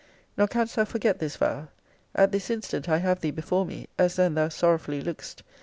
Nor canst thou forget this vow. At this instant I have thee before me, as then thou sorrowfully lookedst.